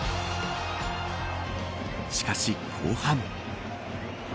しかし、後半。